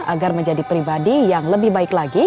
agar menjadi pribadi yang lebih baik lagi